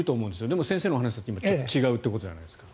でも先生のお話だと違うということじゃないですか。